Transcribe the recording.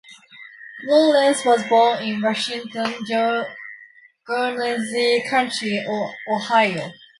Lawrence was born in Washington, Guernsey County, Ohio.